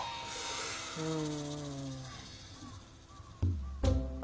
うん。